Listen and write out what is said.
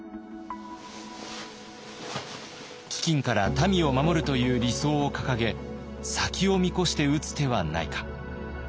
飢饉から民を守るという理想を掲げ先を見越して打つ手はないか。